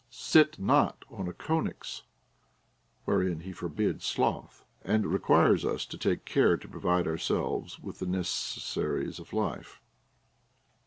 Sit not on a choenix ; wherein he forbids sloth, and requires us to take care to provide ourselves with the neces saries of life.